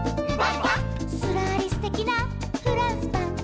「すらりすてきなフランスパン」「」